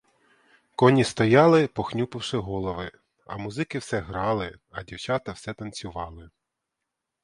Коні стояли, похнюпивши голови, а музики все грали, а дівчата все танцювали.